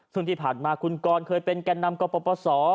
ซึ่งที่ผ่านมาคุณกรเคยเป็นแก่นำกปศ